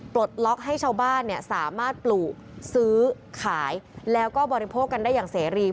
ปลดล็อกให้ชาวบ้านสามารถปลูกซื้อขายแล้วก็บริโภคกันได้อย่างเสรี